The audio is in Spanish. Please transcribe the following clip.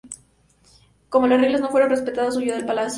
Como las reglas no fueron respetadas, huyó del palacio.